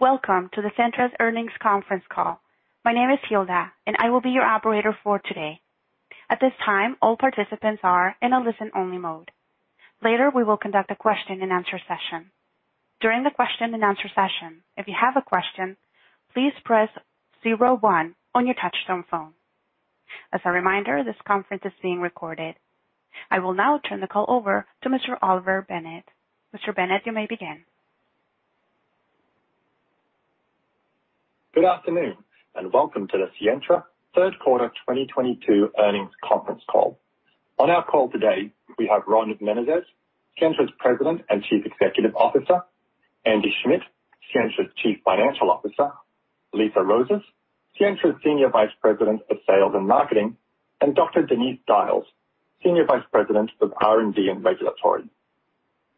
Welcome to the Sientra's Earnings Conference Call. My name is Hilda, and I will be your operator for today. At this time, all participants are in a listen-only mode. Later, we will conduct a question and answer session. During the question and answer session, if you have a question, please press zero one on your touchtone phone. As a reminder, this conference is being recorded. I will now turn the call over to Mr. Oliver Bennett. Mr. Bennett, you may begin. Good afternoon, and welcome to the Sientra Third Quarter 2022 Earnings Conference Call. On our call today, we have Ron Menezes, Sientra's President and Chief Executive Officer, Andy Schmidt, Sientra's Chief Financial Officer, Lisa Rosas, Sientra's Senior Vice President of Sales and Marketing, and Dr. Denise Dajles, Senior Vice President of R&D and Regulatory.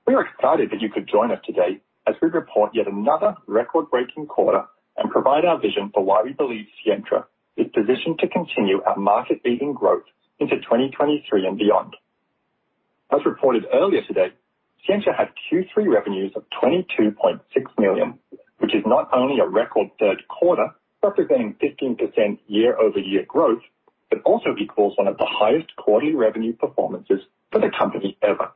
We are excited that you could join us today as we report yet another record-breaking quarter and provide our vision for why we believe Sientra is positioned to continue our market-beating growth into 2023 and beyond. As reported earlier today, Sientra had Q3 revenues of $22.6 million, which is not only a record third quarter, representing 15% year-over-year growth, but also equals one of the highest quarterly revenue performances for the company ever.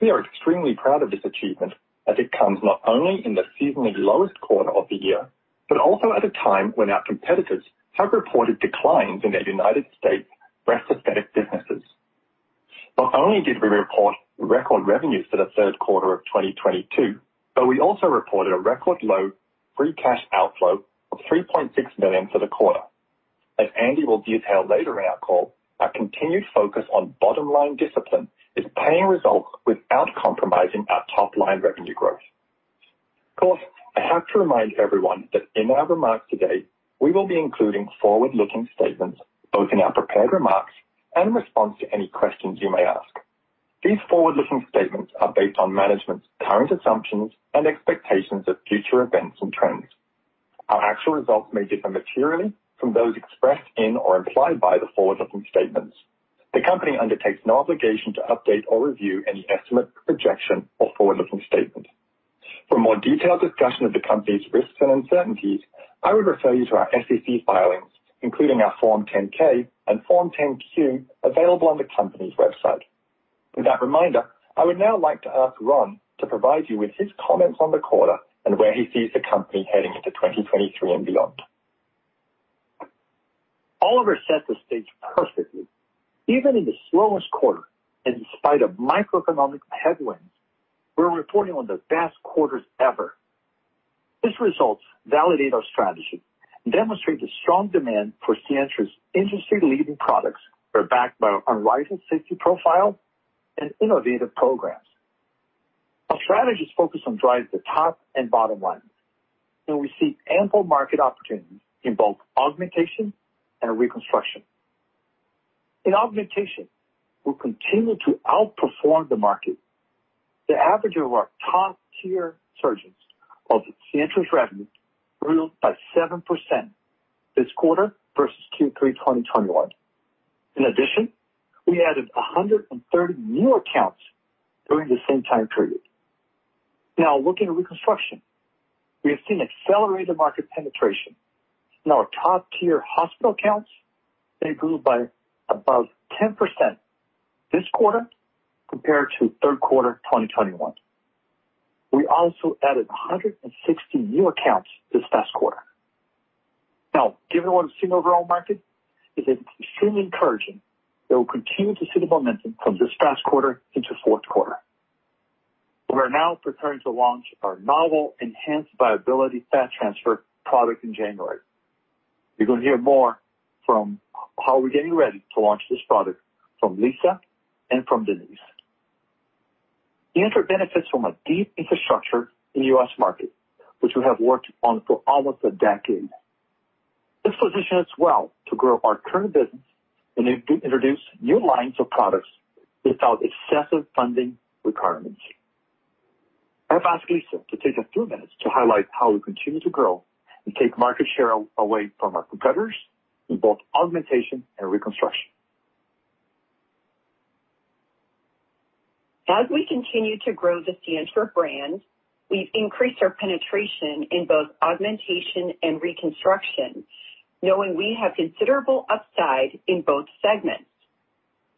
We are extremely proud of this achievement as it comes not only in the seasonally lowest quarter of the year, but also at a time when our competitors have reported declines in their United States breast aesthetic businesses. Not only did we report record revenues for the third quarter of 2022, but we also reported a record low free cash outflow of $3.6 million for the quarter. As Andy will detail later in our call, our continued focus on bottom-line discipline is yielding results without compromising our top-line revenue growth. Of course, I have to remind everyone that in our remarks today, we will be including forward-looking statements both in our prepared remarks and in response to any questions you may ask. These forward-looking statements are based on management's current assumptions and expectations of future events and trends. Our actual results may differ materially from those expressed in or implied by the forward-looking statements. The company undertakes no obligation to update or review any estimate, projection, or forward-looking statement. For more detailed discussion of the company's risks and uncertainties, I would refer you to our SEC filings, including our Form 10-K and Form 10-Q available on the company's website. With that reminder, I would now like to ask Ron to provide you with his comments on the quarter and where he sees the company heading into 2023 and beyond. Oliver set the stage perfectly. Even in the slowest quarter, and in spite of microeconomic headwinds, we're reporting on the best quarters ever. These results validate our strategy and demonstrate the strong demand for Sientra's industry-leading products are backed by unrivaled safety profile and innovative programs. Our strategy is focused on driving the top and bottom lines, and we see ample market opportunities in both augmentation and reconstruction. In augmentation, we'll continue to outperform the market. The average of our top-tier surgeons of Sientra's revenue grew by 7% this quarter versus Q3 2021. In addition, we added 130 new accounts during the same time period. Now, looking at reconstruction, we have seen accelerated market penetration. In our top-tier hospital accounts, they grew by about 10% this quarter compared to third quarter 2021. We also added 160 new accounts this past quarter. Now, given what we've seen in the overall market, it is extremely encouraging that we'll continue to see the momentum from this past quarter into fourth quarter. We are now preparing to launch our novel enhanced viability fat transfer product in January. You're gonna hear more from how we're getting ready to launch this product from Lisa and from Denise. Sientra benefits from a deep infrastructure in the U.S. market, which we have worked on for almost a decade. This positions us well to grow our current business and introduce new lines of products without excessive funding requirements. I've asked Lisa to take a few minutes to highlight how we continue to grow and take market share away from our competitors in both augmentation and reconstruction. As we continue to grow the Sientra brand, we've increased our penetration in both augmentation and reconstruction, knowing we have considerable upside in both segments.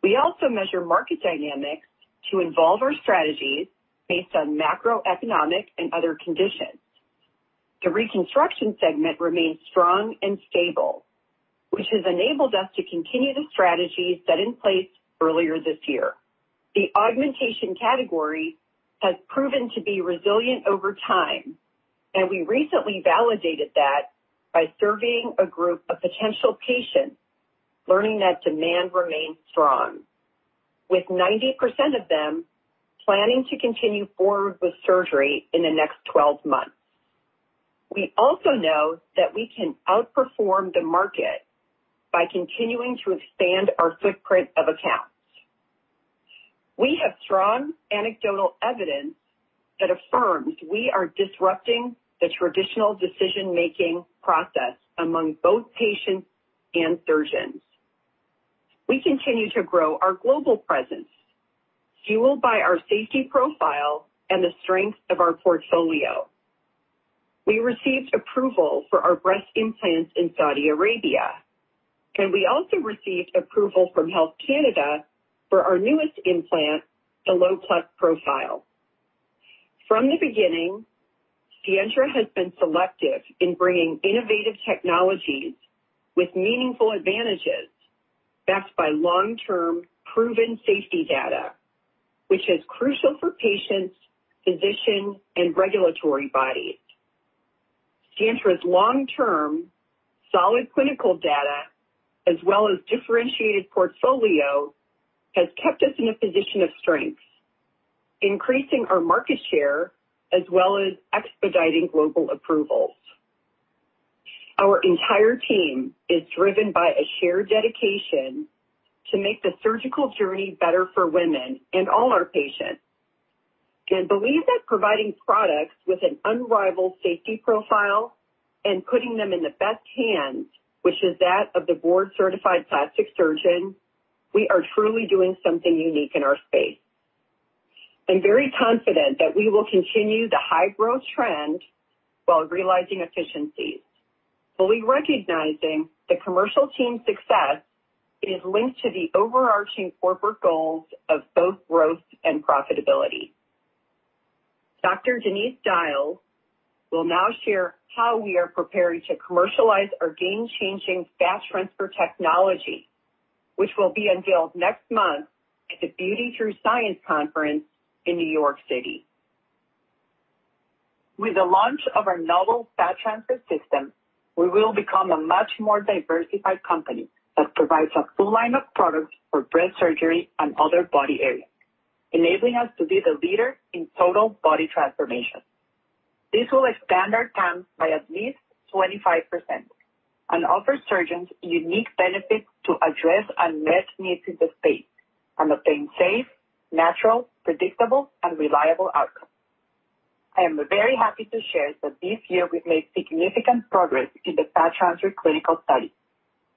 We also measure market dynamics to involve our strategies based on macroeconomic and other conditions. The reconstruction segment remains strong and stable, which has enabled us to continue the strategies set in place earlier this year. The augmentation category has proven to be resilient over time, and we recently validated that by surveying a group of potential patients, learning that demand remains strong, with 90% of them planning to continue forward with surgery in the next twelve months. We also know that we can outperform the market by continuing to expand our footprint of accounts. We have strong anecdotal evidence that affirms we are disrupting the traditional decision-making process among both patients and surgeons. We continue to grow our global presence, fueled by our safety profile and the strength of our portfolio. We received approval for our breast implants in Saudi Arabia, and we also received approval from Health Canada for our newest implant, the Low Plus Profile. From the beginning, Sientra has been selective in bringing innovative technologies with meaningful advantages backed by long-term proven safety data, which is crucial for patients, physicians, and regulatory bodies. Sientra's long-term solid clinical data, as well as differentiated portfolio, has kept us in a position of strength, increasing our market share as well as expediting global approvals. Our entire team is driven by a shared dedication to make the surgical journey better for women and all our patients. Believe that providing products with an unrivaled safety profile and putting them in the best hands, which is that of the board-certified plastic surgeon, we are truly doing something unique in our space. I'm very confident that we will continue the high-growth trend while realizing efficiencies, fully recognizing the commercial team's success is linked to the overarching corporate goals of both growth and profitability. Dr. Denise Dajles will now share how we are preparing to commercialize our game-changing fat transfer technology, which will be unveiled next month at the Beauty Through Science Conference in New York City. With the launch of our novel fat transfer system, we will become a much more diversified company that provides a full line of products for breast surgery and other body areas, enabling us to be the leader in total body transformation. This will expand our TAM by at least 25% and offer surgeons unique benefits to address unmet needs in the space and obtain safe, natural, predictable, and reliable outcomes. I am very happy to share that this year we've made significant progress in the fat transfer clinical study,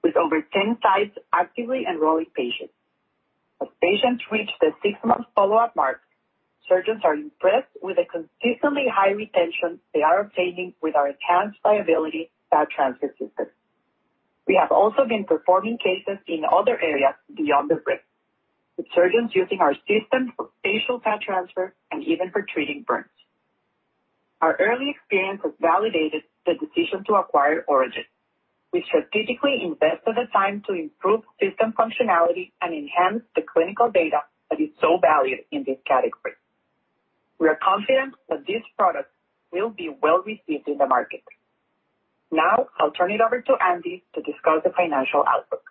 with over 10 sites actively enrolling patients. As patients reach the six-month follow-up mark, surgeons are impressed with the consistently high retention they are obtaining with our enhanced viability fat transfer system. We have also been performing cases in other areas beyond the breast, with surgeons using our system for facial fat transfer and even for treating burns. Our early experience has validated the decision to acquire Origin. We strategically invested the time to improve system functionality and enhance the clinical data that is so valued in this category. We are confident that this product will be well received in the market. Now I'll turn it over to Andy to discuss the financial outlook.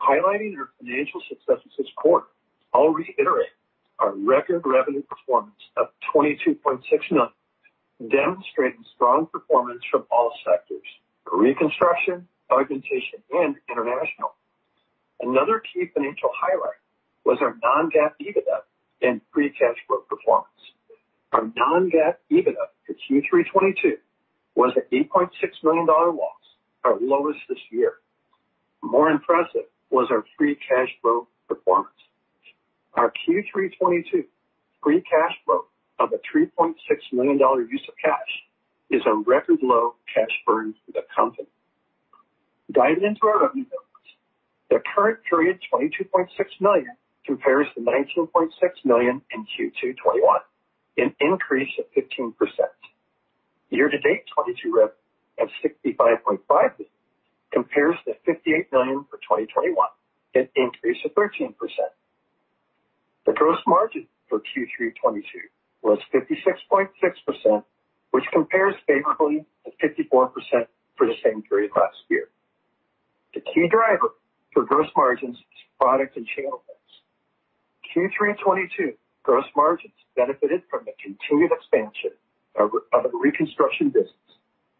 Highlighting our financial success this quarter, I'll reiterate our record revenue performance of $22.6 million, demonstrating strong performance from all sectors, reconstruction, augmentation, and international. Another key financial highlight was our non-GAAP EBITDA and free cash flow performance. Our non-GAAP EBITDA for Q3 2022 was an $8.6 million loss, our lowest this year. More impressive was our free cash flow performance. Our Q3 2022 free cash flow of a $3.6 million use of cash is a record low cash burn for the company. Diving into our revenue growth, the current period's $22.6 million compares to $19.6 million in Q2 2021, an increase of 15%. Year-to-date 2022 rev of $65.5 million compares to $58 million for 2021, an increase of 13%. The gross margin for Q3 2022 was 56.6%, which compares favorably to 54% for the same period last year. The key driver for gross margins is product and channel mix. Q3 2022 gross margins benefited from the continued expansion of the reconstruction business,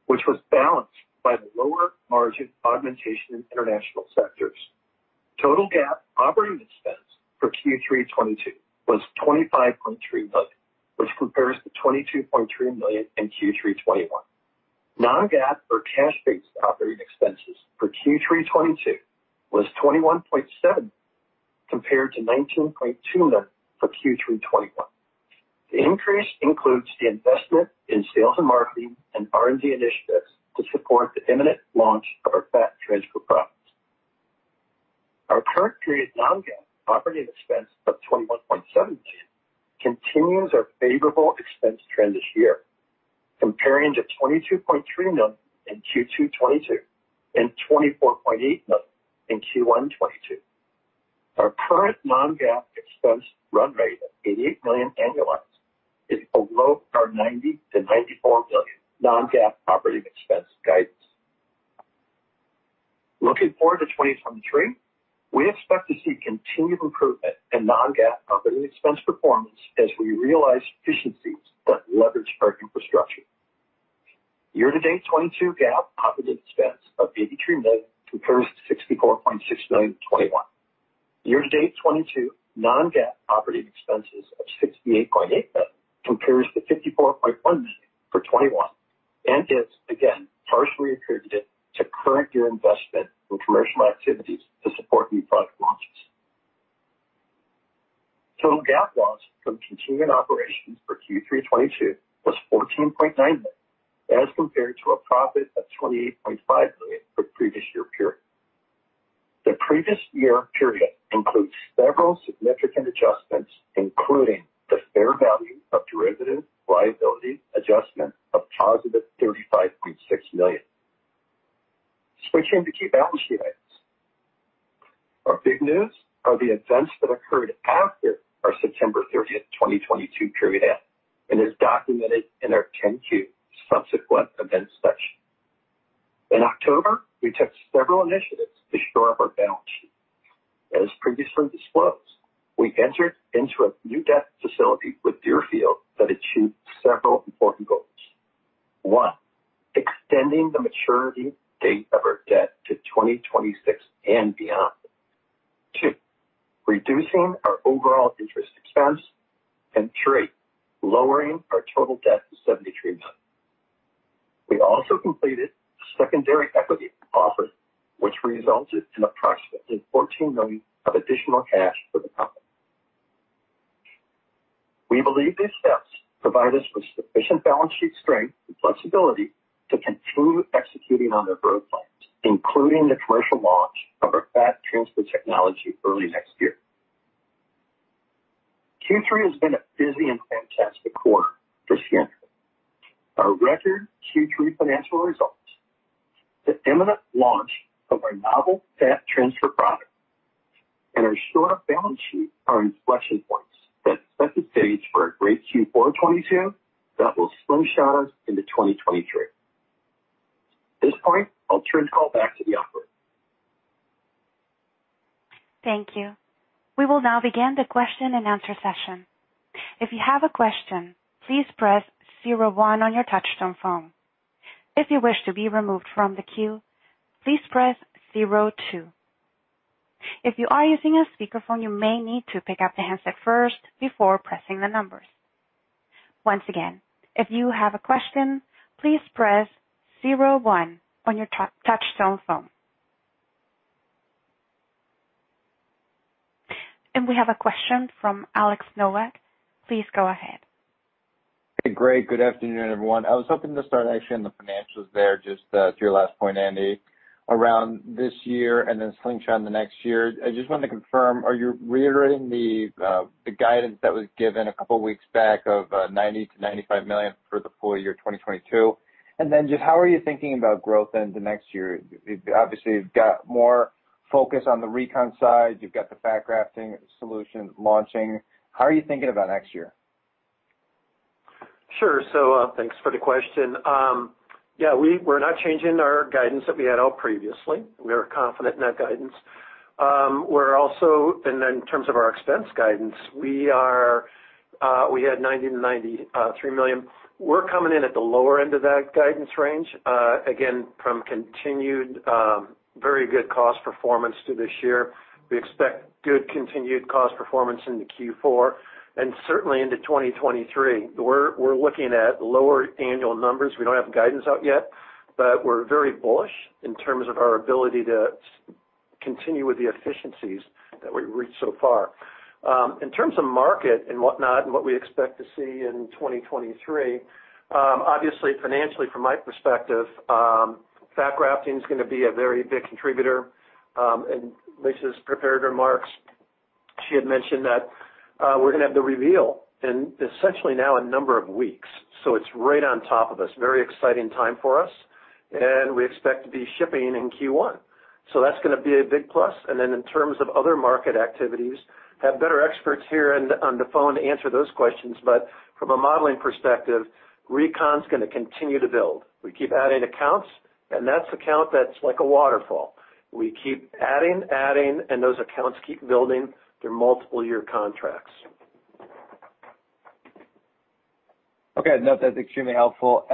which was balanced by the lower margin augmentation in international sectors. Total GAAP operating expense for Q3 2022 was $25.3 million, which compares to $22.3 million in Q3 2021. Non-GAAP or cash-based operating expenses for Q3 2022 was $21.7 million, compared to $19.2 million for Q3 2021. The increase includes the investment in sales and marketing and R&D initiatives to support the imminent launch of our fat transfer products. Our current period non-GAAP operating expense of $21.7 million continues our favorable expense trend this year, comparing to $22.3 million in Q2 2022 and $24.8 million in Q1 2022. Our current non-GAAP expense run rate of $88 million annualized is below our $90 million-$94 million non-GAAP operating expense guidance. Looking forward to 2023, we expect to see continued improvement in non-GAAP operating expense performance as we realize efficiencies but leverage our infrastructure. Year-to-date 2022 GAAP operating expense of $83 million compares to $64.6 million in 2021. Year-to-date 2022 non-GAAP operating expenses of $68.8 million compares to $54.1 million for 2021 and is again partially attributed to current year investment in commercial activities to support new product launches. Total GAAP loss from continuing operations for Q3 2022 was $14.9 million, as compared to a profit of $28.5 million for previous year period. The previous year period includes several significant adjustments, including the fair value of derivative liability adjustment of positive $35.6 million. Switching to key balance sheet items. Our big news are the events that occurred after our September 30th, 2022 period end, and is documented in our Form 10-Q subsequent events section. In October, we took several initiatives to shore up our balance sheet. As previously disclosed, we entered into a new debt facility with Deerfield that achieved several important goals. One, extending the maturity date of our debt to 2026 and beyond. Two, reducing our overall interest expense. And three, lowering our total debt to $73 million. We also completed secondary equity offering, which resulted in approximately $14 million of additional cash for the company. We believe these steps provide us with sufficient balance sheet strength and flexibility to continue executing on their growth plans, including the commercial launch of our fat transfer technology early next year. Q3 has been a busy and fantastic quarter for Sientra. Our record Q3 financial results, the imminent launch of our novel fat transfer product, and our shored up balance sheet are inflection points that set the stage for a great Q4 2022 that will slingshot us into 2023. At this point, I'll turn the call back to the operator. Thank you. We will now begin the question and answer session. If you have a question, please press zero one on your touchtone phone. If you wish to be removed from the queue, please press zero two. If you are using a speakerphone, you may need to pick up the handset first before pressing the numbers. Once again, if you have a question, please press zero one on your touchtone phone. We have a question from Alex Nowak. Please go ahead. Hey, great. Good afternoon, everyone. I was hoping to start actually on the financials there, just, to your last point, Andy, around this year and then slingshot the next year. I just wanted to confirm, are you reiterating the guidance that was given a couple weeks back of $90 million-$95 million for the full year 2022? Just how are you thinking about growth into next year? Obviously, you've got more focus on the recon side. You've got the fat grafting solution launching. How are you thinking about next year? Sure. Thanks for the question. Yeah, we're not changing our guidance that we had out previously. We are confident in that guidance. In terms of our expense guidance, we had $90 million-$93 million. We're coming in at the lower end of that guidance range, again, from continued very good cost performance through this year. We expect good continued cost performance into Q4 and certainly into 2023. We're looking at lower annual numbers. We don't have guidance out yet, but we're very bullish in terms of our ability to continue with the efficiencies that we've reached so far. In terms of market and whatnot and what we expect to see in 2023, obviously financially from my perspective, fat grafting is gonna be a very big contributor. In Lisa's prepared remarks, she had mentioned that we're gonna have the reveal in essentially now a number of weeks. It's right on top of us. Very exciting time for us, and we expect to be shipping in Q1. That's gonna be a big plus. In terms of other market activities, have better experts here on the phone to answer those questions. From a modeling perspective, recon's gonna continue to build. We keep adding accounts, and that's like a waterfall. We keep adding, and those accounts keep building their multiple year contracts. Okay. No, that's extremely helpful.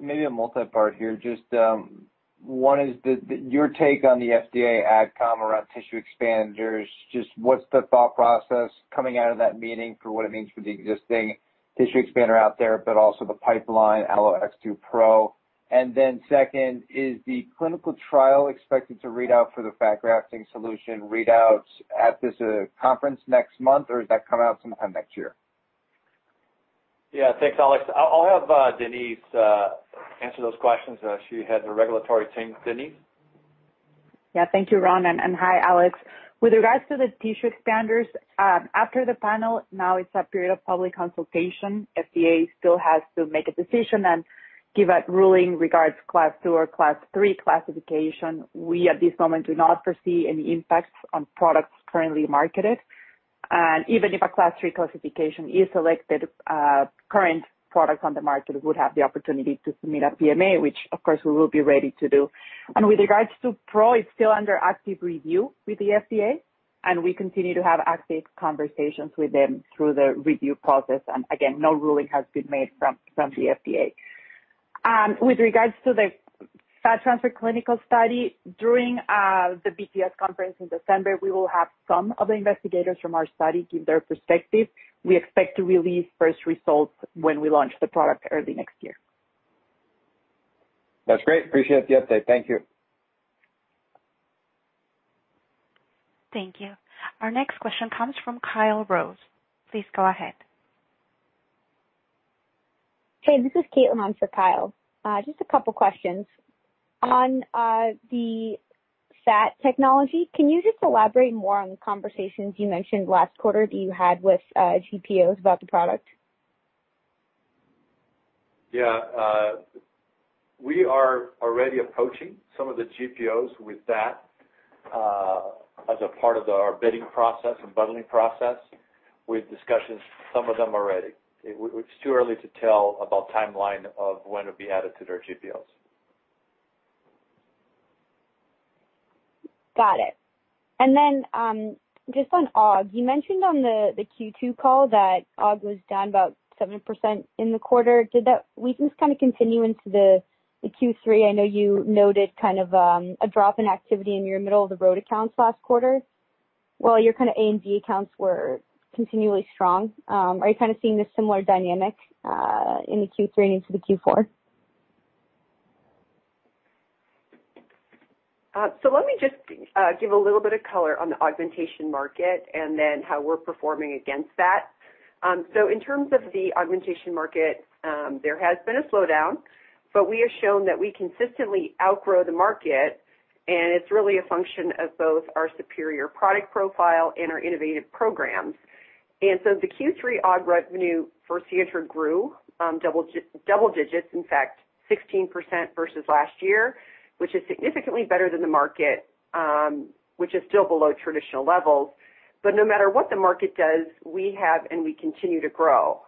Maybe a multipart here, just, one is your take on the FDA AdCom around tissue expanders. Just what's the thought process coming out of that meeting for what it means for the existing tissue expander out there, but also the pipeline AlloX2 Pro. Second, is the clinical trial expected to read out for the fat grafting solution read out at this conference next month, or does that come out sometime next year? Yeah. Thanks, Alex. I'll have Denise answer those questions. She heads the regulatory team. Denise? Yeah. Thank you, Ron, and hi, Alex. With regards to the tissue expanders, after the panel, now it's a period of public consultation. FDA still has to make a decision and give a ruling regarding Class II or Class III classification. We at this moment do not foresee any impacts on products currently marketed. Even if a Class III classification is selected, current products on the market would have the opportunity to submit a PMA, which of course we will be ready to do. With regards to Pro, it's still under active review with the FDA, and we continue to have active conversations with them through the review process. Again, no ruling has been made from the FDA. With regards to the fat transfer clinical study, during the BTS conference in December, we will have some of the investigators from our study give their perspective. We expect to release first results when we launch the product early next year. That's great. Appreciate the update. Thank you. Thank you. Our next question comes from Kyle Rose. Please go ahead. Hey, this is Caitlin on for Kyle. Just a couple questions. On the fat technology, can you just elaborate more on the conversations you mentioned last quarter that you had with GPOs about the product? Yeah. We are already approaching some of the GPOs with that, as a part of our bidding process and bundling process. We've discussed some of them already. It's too early to tell about timeline of when it'll be added to their GPOs. Got it. Just on Aug, you mentioned on the Q2 call that Aug was down about 7% in the quarter. Did that weakness kind of continue into the Q3? I know you noted kind of a drop in activity in your middle-of-the-road accounts last quarter, while your kind of A and D accounts were continually strong. Are you kind of seeing this similar dynamic into Q3 and into the Q4? Let me just give a little bit of color on the augmentation market and then how we're performing against that. In terms of the augmentation market, there has been a slowdown, but we have shown that we consistently outgrow the market, and it's really a function of both our superior product profile and our innovative programs. The Q3 Aug revenue for Sientra grew double-digits, in fact 16% versus last year, which is significantly better than the market, which is still below traditional levels. No matter what the market does, we have and we continue to grow.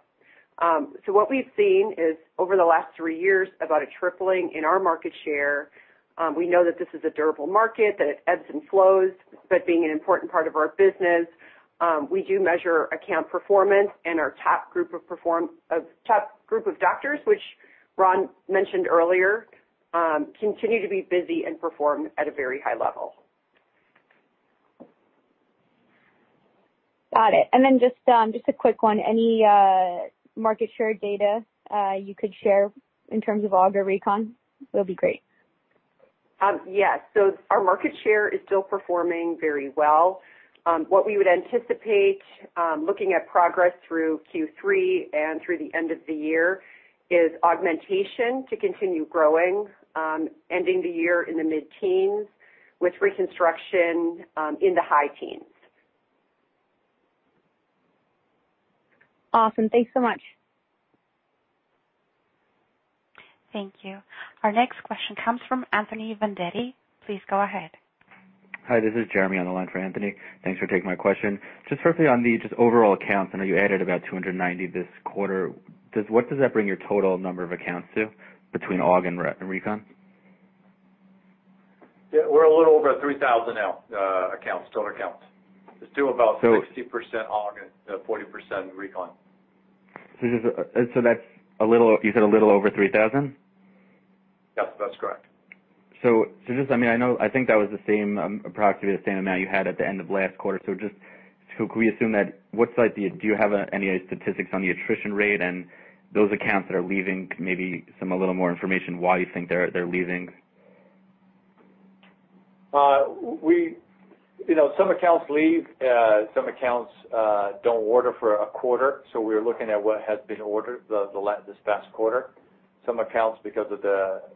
What we've seen is over the last three years, about a tripling in our market share. We know that this is a durable market, that it ebbs and flows, but being an important part of our business, we do measure account performance and our top group of doctors, which Ron mentioned earlier, continue to be busy and perform at a very high level. Got it. Just a quick one, any market share data you could share in terms of Aug or recon would be great. Yes. Our market share is still performing very well. What we would anticipate, looking at progress through Q3 and through the end of the year, is augmentation to continue growing, ending the year in the mid-teens, with reconstruction, in the high teens. Awesome. Thanks so much. Thank you. Our next question comes from Anthony Vendetti. Please go ahead. Hi, this is Jeremy on the line for Anthony. Thanks for taking my question. Just briefly on the overall accounts, I know you added about 290 this quarter. What does that bring your total number of accounts to between Aug and recon? Yeah. We're a little over 3,000 now, accounts, total accounts. It's still about. So- 60% Aug and 40% recon. That's a little. You said a little over 3,000? Yes, that's correct. Just, I mean, I know, I think that was the same, approximately the same amount you had at the end of last quarter. Just, can we assume that what size do you have any statistics on the attrition rate and those accounts that are leaving, maybe some, a little more information why you think they're leaving? We, you know, some accounts leave, some accounts don't order for a quarter, so we're looking at what has been ordered this past quarter. Some accounts, because of,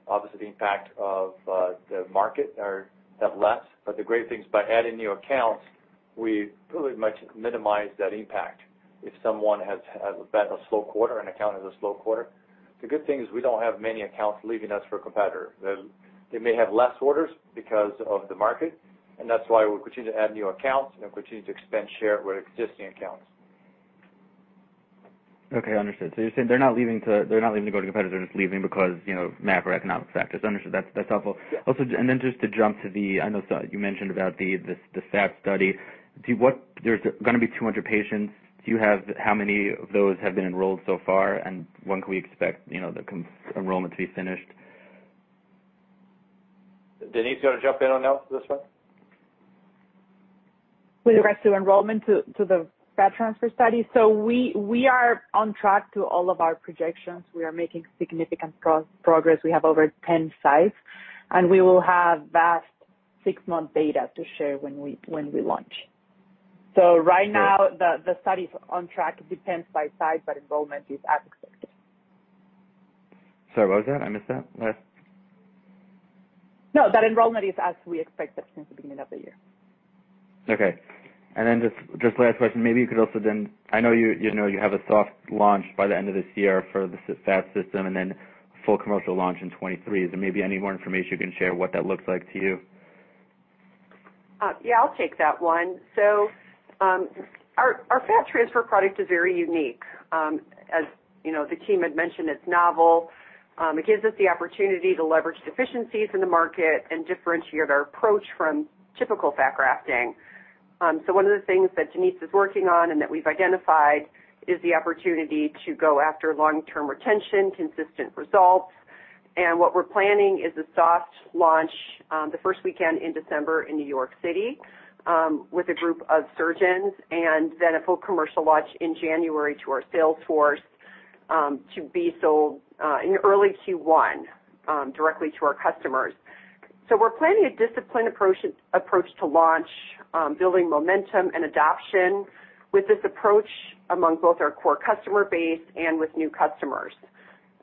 obviously, the impact of the market, have less. The great thing is by adding new accounts, we pretty much minimize that impact if someone has had a slow quarter, an account has a slow quarter. The good thing is we don't have many accounts leaving us for a competitor. They may have less orders because of the market, and that's why we continue to add new accounts and continue to expand share with existing accounts. Okay, understood. You're saying they're not leaving to go to competitors. They're just leaving because, you know, macroeconomic factors. Understood. That's helpful. Yeah. You mentioned about the fat study. There's gonna be 200 patients. Do you have how many of those have been enrolled so far, and when can we expect, you know, the enrollment to be finished? Denise, do you wanna jump in on that, this one? With regards to enrollment to the fat transfer study. We are on track to all of our projections. We are making significant progress. We have over 10 sites, and we will have first six-month data to share when we launch. Great. Right now, the study's on track. It depends by site, but enrollment is as expected. Sorry, what was that? I missed that last. No, that enrollment is as we expected since the beginning of the year. Okay. Just last question, maybe you could also then, I know you know, you have a soft launch by the end of this year for the Viality system and then full commercial launch in 2023. Is there maybe any more information you can share what that looks like to you? Yeah, I'll take that one. Our fat transfer product is very unique. As you know, the team had mentioned it's novel. It gives us the opportunity to leverage deficiencies in the market and differentiate our approach from typical fat grafting. One of the things that Denise is working on and that we've identified is the opportunity to go after long-term retention, consistent results. What we're planning is a soft launch, the first weekend in December in New York City, with a group of surgeons and then a full commercial launch in January to our sales force, to be sold in early Q1, directly to our customers. We're planning a disciplined approach to launch, building momentum and adoption with this approach among both our core customer base and with new customers.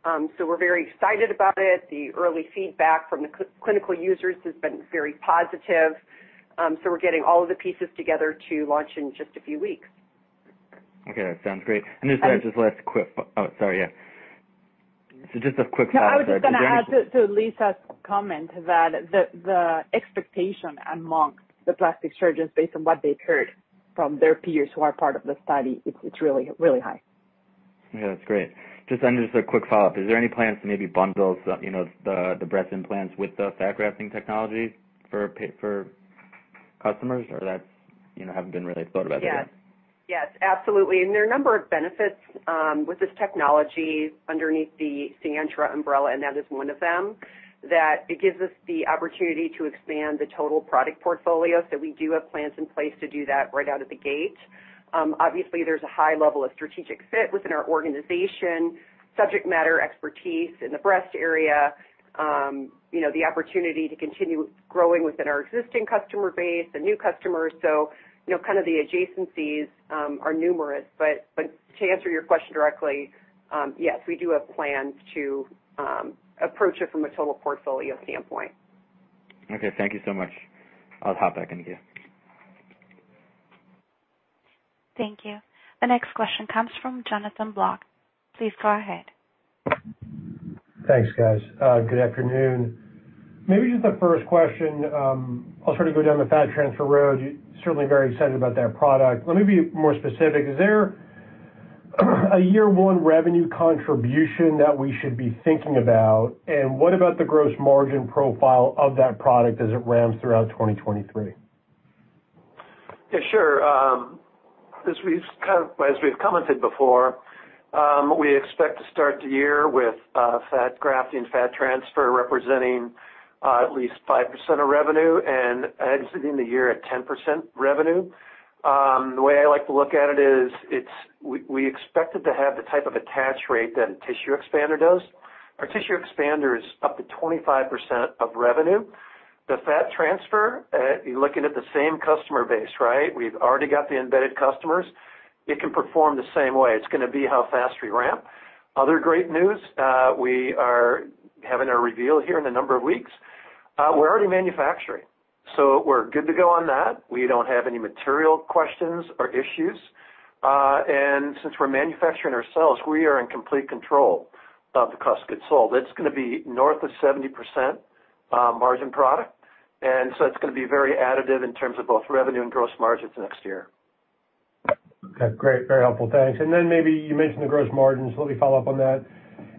We're very excited about it. The early feedback from the clinical users has been very positive. We're getting all of the pieces together to launch in just a few weeks. Okay. That sounds great. Um- Oh, sorry, yeah. Just a quick follow-up there, Denise. No, I was just gonna add to Lisa's comment that the expectation among the plastic surgeons based on what they've heard from their peers who are part of the study, it's really high. Okay, that's great. Just a quick follow-up. Is there any plans to maybe bundle you know, the breast implants with the fat grafting technology for customers, or that's, you know, haven't been really thought about yet? Yes. Yes, absolutely. There are a number of benefits with this technology underneath the Sientra umbrella, and that is one of them, that it gives us the opportunity to expand the total product portfolio. We do have plans in place to do that right out of the gate. Obviously, there's a high level of strategic fit within our organization, subject matter expertise in the breast area, you know, the opportunity to continue growing within our existing customer base and new customers. You know, kind of the adjacencies are numerous. But to answer your question directly, yes, we do have plans to approach it from a total portfolio standpoint. Okay, thank you so much. I'll hop back in queue. Thank you. The next question comes from Jonathan Block. Please go ahead. Thanks, guys. Good afternoon. Maybe just the first question, I'll sort of go down the fat transfer road. You're certainly very excited about that product. Let me be more specific. Is there a year-one revenue contribution that we should be thinking about, and what about the gross margin profile of that product as it ramps throughout 2023? Yeah, sure. As we've commented before, we expect to start the year with fat grafting, fat transfer representing at least 5% of revenue and exiting the year at 10% revenue. The way I like to look at it is we expect it to have the type of attach rate that a tissue expander does. Our tissue expander is up to 25% of revenue. The fat transfer, you're looking at the same customer base, right? We've already got the embedded customers. It can perform the same way. It's gonna be how fast we ramp. Other great news, we are having our reveal here in a number of weeks. We're already manufacturing, so we're good to go on that. We don't have any material questions or issues. Since we're manufacturing ourselves, we are in complete control of the cost of goods sold. It's gonna be north of 70% margin product, and so it's gonna be very additive in terms of both revenue and gross margins next year. Okay, great. Very helpful. Thanks. Maybe you mentioned the gross margins. Let me follow up on that.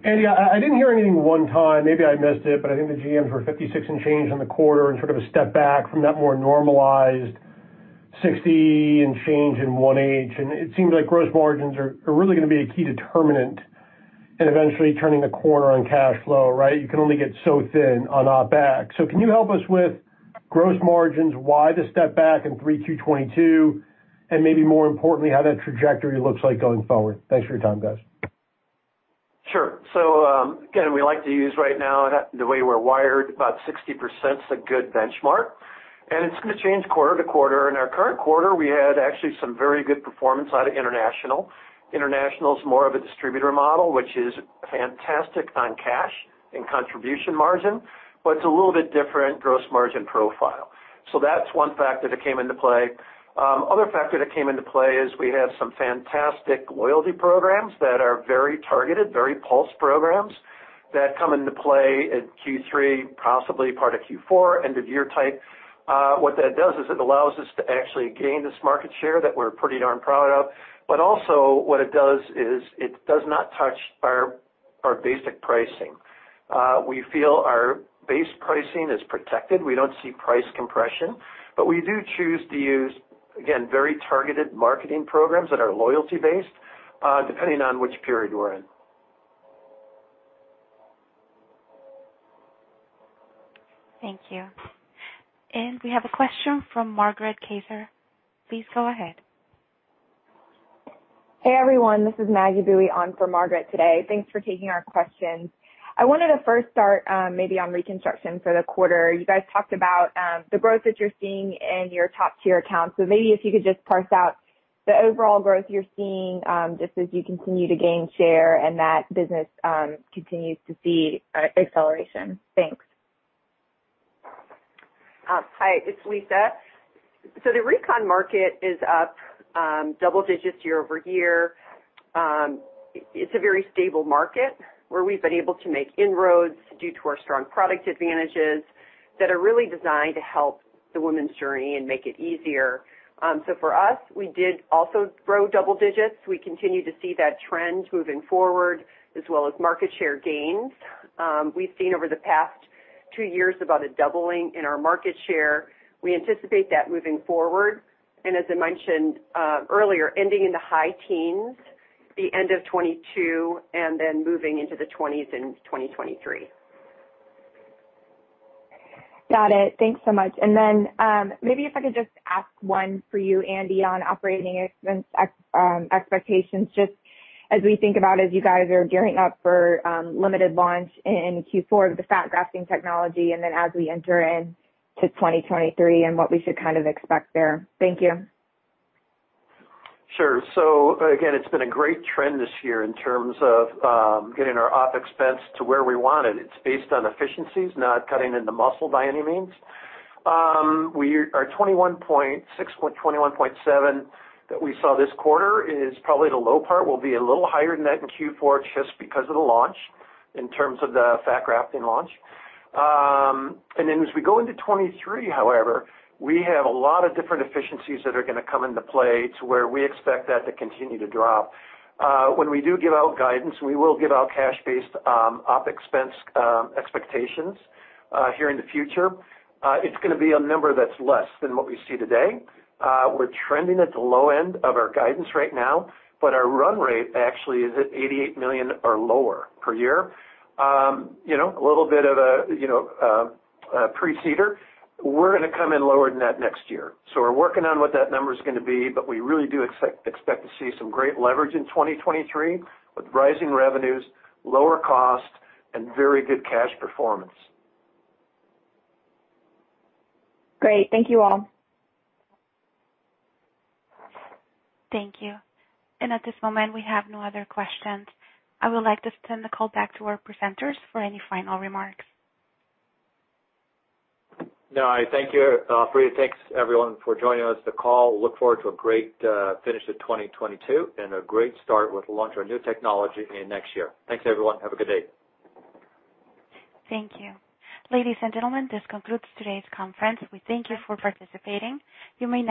Andy, I didn't hear anything one time, maybe I missed it, but I think the GMs were 56% and change in the quarter and sort of a step back from that more normalized 60% and change in 1H. It seems like gross margins are really gonna be a key determinant in eventually turning a corner on cash flow, right? You can only get so thin on OpEx. Can you help us with gross margins, why the step back in 3Q 2022, and maybe more importantly, how that trajectory looks like going forward? Thanks for your time, guys. Sure. Again, we like to use right now, the way we're wired, about 60% is a good benchmark, and it's gonna change quarter to quarter. In our current quarter, we had actually some very good performance out of international. International is more of a distributor model, which is fantastic on cash and contribution margin, but it's a little bit different gross margin profile. That's one factor that came into play. Other factor that came into play is we have some fantastic loyalty programs that are very targeted, very pulse programs that come into play in Q3, possibly part of Q4, end of year type. What that does is it allows us to actually gain this market share that we're pretty darn proud of, but also what it does is it does not touch our basic pricing. We feel our base pricing is protected. We don't see price compression, but we do choose to use, again, very targeted marketing programs that are loyalty based, depending on which period we're in. Thank you. We have a question from Margaret Kaczor. Please go ahead. Hey, everyone. This is Maggie Boeye on for Margaret today. Thanks for taking our questions. I wanted to first start, maybe on reconstruction for the quarter. You guys talked about the growth that you're seeing in your top-tier accounts. Maybe if you could just parse out the overall growth you're seeing, just as you continue to gain share and that business continues to see acceleration. Thanks. Hi, it's Lisa. The recon market is up double-digits year-over-year. It's a very stable market where we've been able to make inroads due to our strong product advantages that are really designed to help the women's journey and make it easier. For us, we did also grow double digits. We continue to see that trend moving forward as well as market share gains. We've seen over the past two years, about a doubling in our market share. We anticipate that moving forward, and as I mentioned earlier, ending in the high teens, the end of 2022, and then moving into the twenties in 2023. Got it. Thanks so much. Maybe if I could just ask one for you, Andy, on operating expenses expectations, just as we think about as you guys are gearing up for limited launch in Q4 with the fat grafting technology and then as we enter into 2023 and what we should kind of expect there. Thank you. Sure. Again, it's been a great trend this year in terms of getting our OpEx to where we want it. It's based on efficiencies, not cutting into muscle by any means. Our $21.6-$21.7 that we saw this quarter is probably the low part. We'll be a little higher than that in Q4 just because of the launch in terms of the fat grafting launch. As we go into 2023, however, we have a lot of different efficiencies that are gonna come into play to where we expect that to continue to drop. When we do give out guidance, we will give out cash-based OpEx expectations here in the future. It's gonna be a number that's less than what we see today. We're trending at the low end of our guidance right now, but our run rate actually is at $88 million or lower per year. You know, a little bit of a precursor. We're gonna come in lower than that next year. We're working on what that number's gonna be, but we really do expect to see some great leverage in 2023 with rising revenues, lower cost, and very good cash performance. Great. Thank you all. Thank you. At this moment, we have no other questions. I would like to send the call back to our presenters for any final remarks. No, thank you, Operator. Thanks, everyone, for joining us on the call. Look forward to a great finish to 2022 and a great start with the launch of our new technology in next year. Thanks, everyone. Have a good day. Thank you. Ladies and gentlemen, this concludes today's conference. We thank you for participating. You may-